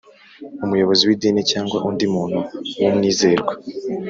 umuyobozi w’idini cyangwa undi muntu w’umwizerwa.